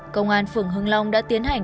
công an phường hưng long đã tiến hành